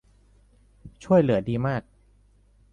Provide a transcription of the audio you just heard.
ช่วยเหลือดีมาก